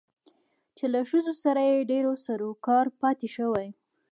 چې له ښځو سره يې ډېر سرو کارو پاتې شوى